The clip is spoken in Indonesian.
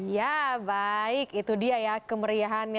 ya baik itu dia ya kemeriahannya